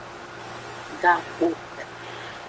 Gakpo.